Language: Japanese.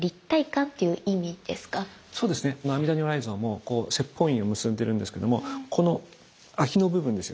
この阿弥陀如来像も説法印を結んでるんですけどもこの空きの部分ですよね